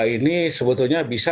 ini sebetulnya bisa